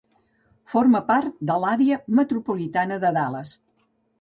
Forma part de l'àrea metropolitana de Dallas.